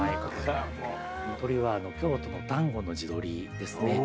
鶏は京都の丹後の地鶏ですね。